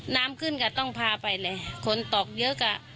น้ำขึ้นก็ต้องพาไปเลยคนตกเยอะอ่ะ